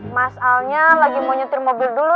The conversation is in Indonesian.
mas alnya lagi mau nyetir mobil dulu